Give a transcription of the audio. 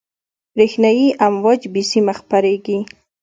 برېښنایي امواج بې سیمه خپرېږي.